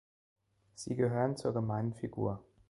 Sie gehören zur gemeinen Figur.